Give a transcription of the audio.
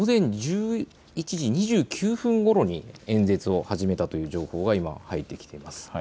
午前１１時２９分ごろに演説を始めたという情報が今入ってきています。